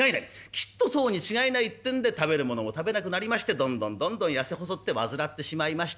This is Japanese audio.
きっとそうに違いないってんで食べる物も食べなくなりましてどんどんどんどん痩せ細って患ってしまいました』。